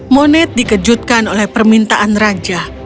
moned dikejutkan oleh permintaan raja